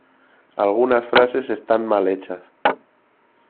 Algunas frases están mal hechas.